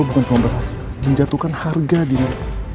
gue bukan cuma berhasil menjatuhkan harga diri